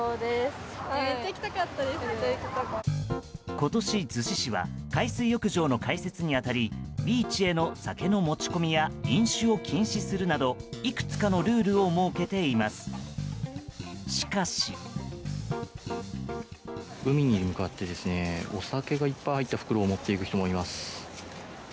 今年、逗子市は海水浴場の開設に当たりビーチへの酒の持ち込みや飲酒を禁止するなどいくつかのルールを設けています。